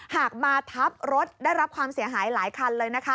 หากมาทับรถได้รับความเสียหายหลายคันเลยนะคะ